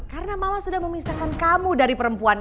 karena mama sudah memisahkan kamu dari perempuan